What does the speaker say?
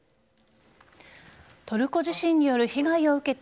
トルコ地震による被害を受けて